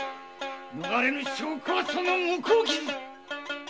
逃れぬ証拠はその向こう傷！